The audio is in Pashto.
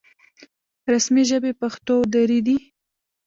رسمي ژبې پښتو او دري دي